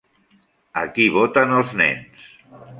Aquí voten els nens.